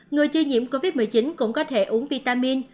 người chưa nhiễm covid một mươi chín cũng có thể uống vitamin